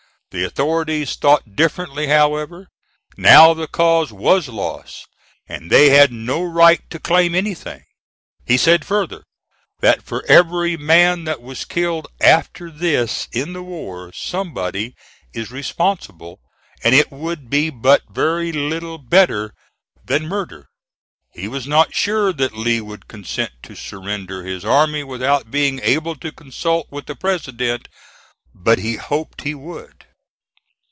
The authorities thought differently, however. Now the cause was lost and they had no right to claim anything. He said further, that for every man that was killed after this in the war somebody is responsible, and it would be but very little better than murder. He was not sure that Lee would consent to surrender his army without being able to consult with the President, but he hoped he would.